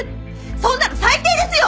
そんなの最低ですよ！！